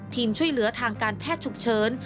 ช่วยเหลือทางการแพทย์ฉุกเฉิน